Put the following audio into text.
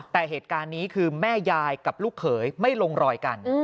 แต่เหตุการณ์นี้คือแม่ยายกับลูกเขยไม่ลงรอยกัน